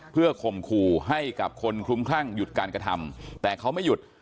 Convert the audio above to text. เพื่อข่มขู่ให้กับคนคลุมคลั่งหยุดการกระทำแต่เขาไม่หยุด